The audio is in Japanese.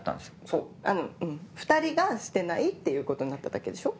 うん２人がしてないっていうことになっただけでしょ？